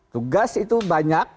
tugas itu banyak